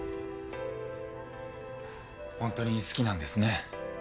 本当に好きなんですね